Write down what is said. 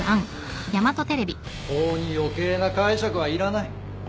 法に余計な解釈はいらない。